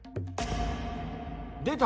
出た！